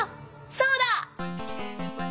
そうだ！